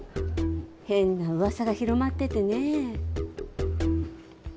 変な噂が広まっててね。